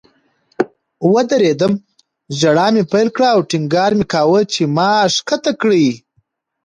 ووېرېدم. ژړا مې پیل کړه او ټینګار مې کاوه چې ما ښکته کړئ